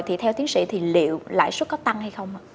thì theo tiến sĩ thì liệu lãi suất có tăng hay không